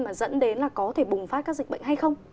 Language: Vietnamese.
mà dẫn đến là có thể bùng phát các dịch bệnh hay không